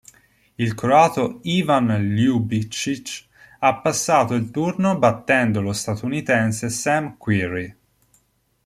Il croato Ivan Ljubičić ha passato il turno battendo lo statunitense Sam Querrey.